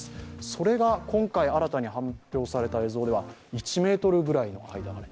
それが今回新たに発表された映像では１ｍぐらい。